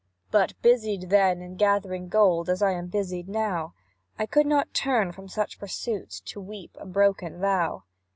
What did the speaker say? But busied, then, in gathering gold, As I am busied now, I could not turn from such pursuit, To weep a broken vow.